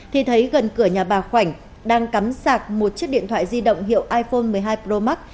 thì thấy gần cửa nhà bà khoảnh đang cắm sạc một chiếc điện thoại di động hiệu iphone một mươi hai pro max